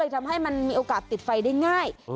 ทำให้มันมีโอกาสติดไฟได้ง่าย